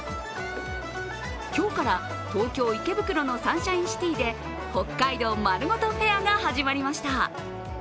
今日から東京・池袋のサンシャインシティで北海道まるごとフェアが始まりました。